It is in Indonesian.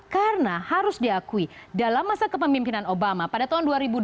karena harus diakui dalam masa kepemimpinan obama pada tahun dua ribu delapan